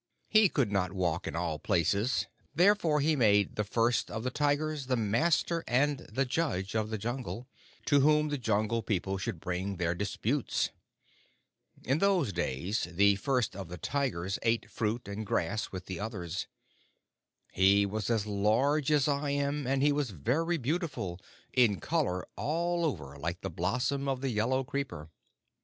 He could not walk in all places: therefore he made the First of the Tigers the master and the judge of the Jungle, to whom the Jungle People should bring their disputes. In those days the First of the Tigers ate fruit and grass with the others. He was as large as I am, and he was very beautiful, in color all over like the blossom of the yellow creeper.